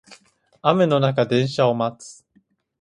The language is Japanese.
雨の中電車を待つ